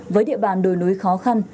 với địa bàn đồi núi khó khăn